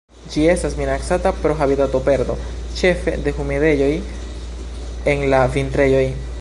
Ĝi estas minacata pro habitatoperdo, ĉefe de humidejoj en la vintrejoj.